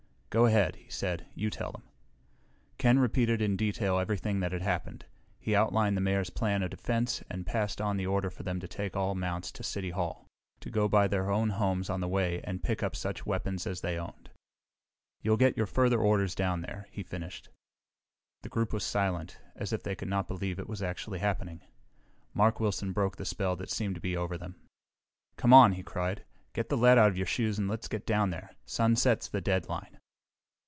"Go ahead," he said. "You tell them." Ken repeated in detail everything that had happened. He outlined the Mayor's plan of defense and passed on the order for them to take all mounts to City Hall, to go by their own homes on the way and pick up such weapons as they owned. "You'll get your further orders there," he finished. The group was silent, as if they could not believe it was actually happening. Mark Wilson broke the spell that seemed to be over them. "Come on!" he cried. "Get the lead out of your shoes and let's get down there! Sunset's the deadline!"